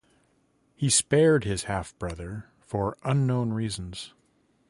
He spared his half-brother for unknown reasons.